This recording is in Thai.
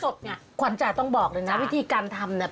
สดเนี่ยควัญจ่ายต้องบอกเลยนะวิธีการทำเนี่ย